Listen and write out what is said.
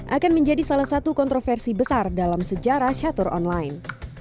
akan menjadi salah satu kontroversi besar dalam sejarah catur online